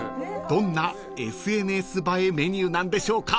［どんなＳＮＳ映えメニューなんでしょうか］